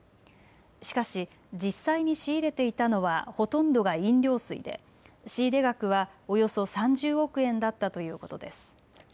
しかし実際に仕入れていたのはほとんどが飲料水で仕入れ額はおよそ３０億円だったということです。